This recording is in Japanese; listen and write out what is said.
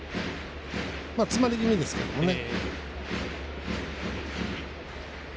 詰まり気味ですけどもね。